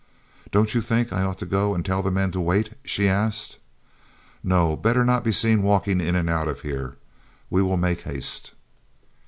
"Don't you think I ought to go and tell the men to wait?" she asked. "No, better not be seen walking in and out here. We will make haste!"